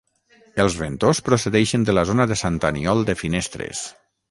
Els Ventós procedeixen de la zona de Sant Aniol de Finestres.